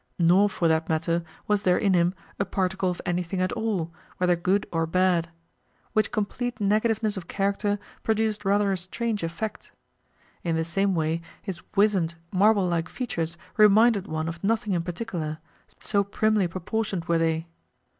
Nor, for that matter, was there in him a particle of anything at all, whether good or bad: which complete negativeness of character produced rather a strange effect. In the same way, his wizened, marble like features reminded one of nothing in particular, so primly proportioned were they.